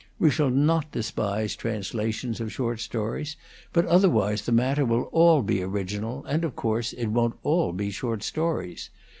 We shall not despise translations of short stories, but otherwise the matter will all be original, and, of course, it won't all be short stories.